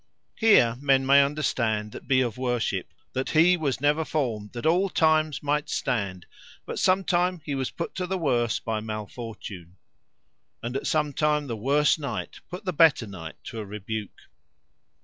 Here men may understand that be of worship, that he was never formed that all times might stand, but sometime he was put to the worse by mal fortune; and at sometime the worse knight put the better knight to a rebuke.